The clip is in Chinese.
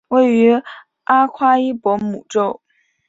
位于阿夸伊博姆州。